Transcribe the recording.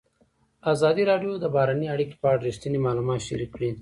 ازادي راډیو د بهرنۍ اړیکې په اړه رښتیني معلومات شریک کړي.